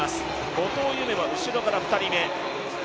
後藤夢は後ろから２人目。